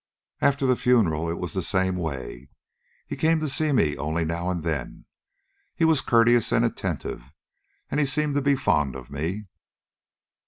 "After the funeral it was the same way. He came to see me only now and then. He was courteous and attentive, and he seemed to be fond of me."